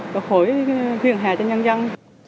và hỏi phiền hà cho nhân dân